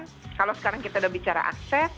jadi ke depan kalau sekarang kita sudah bicara akses